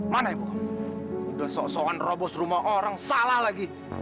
mana ibu udah sok soan robos rumah orang salah lagi